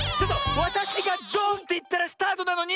わたしがドーンっていったらスタートなのに！